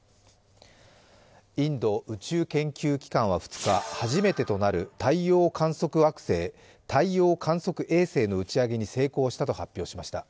インド宇宙研究機関は２日、初めてとなる太陽観測衛星の打ち上げに成功したと発表しました。